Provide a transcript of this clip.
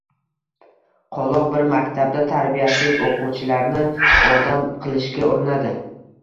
Qoloq bir maktabda tarbiyasiz oʻquvchilarni odam qilishga urinadi